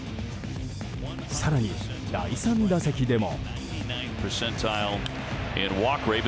更に第３打席でも。